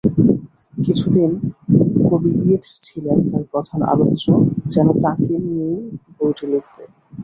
কিছুদিন কবি ইয়েটস ছিলেন তার প্রধান আলোচ্য, যেন তাঁকে নিয়েই বইটি লিখবে।